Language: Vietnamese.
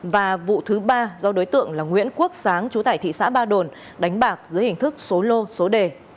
và vụ thứ ba do đối tượng là nguyễn quốc sáng chú tại thị xã ba đồn đánh bạc dưới hình thức số lô số đề